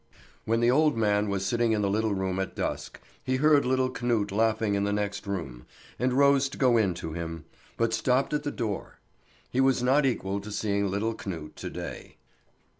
When the old man was sitting in the little room at dusk, he heard little Knut laughing in the next room, and rose to go in to him, but stopped at the door. He was not equal to seeing little Knut to day.